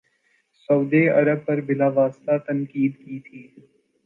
سعودی عرب پر بلا واسطہ تنقید کی تھی